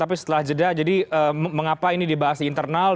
tapi setelah jeda jadi mengapa ini dibahas di internal